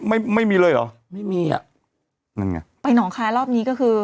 ไม่มีเลยเหรอไม่มีอ่ะนั่นไงไปหนองคายรอบนี้ก็คือ